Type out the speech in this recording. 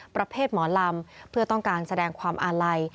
ประเภทหมอลำเพื่อต้องการแสดงความอาลัย